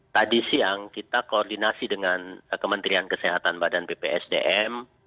tadi siang kita koordinasi dengan kementerian kesehatan badan bpsdm